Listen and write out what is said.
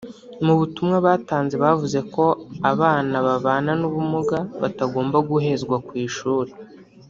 mu butumwa batanze bavuze ko abana babana n’ubumuga batagomba guhezwa ku ishuri